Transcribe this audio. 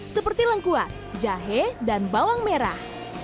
seperti lengkuas jahe dan bawang merah